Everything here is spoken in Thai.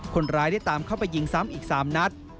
คนร้ายได้ตามเข้าไปยิงซ้ำอีก๓นัด